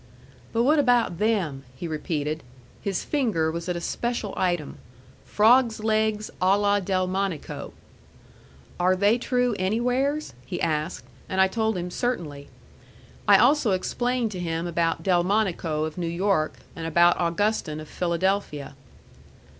"But what about them?" he repeated. His finger was at a special item, FROGS' LEGS A LA DELMONICO. "Are they true anywheres?" he asked. And I told him, certainly. I also explained to him about Delmonico of New York and about Augustin of Philadelphia.